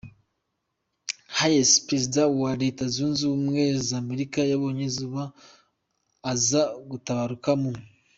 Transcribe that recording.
Hayes, perezida wa wa Leta zunze ubumwe za Amerika yabonye izuba aza gutabaruka mu .